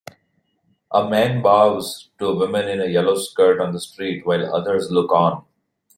A man bows to a woman in a yellow skirt on the street while others look on.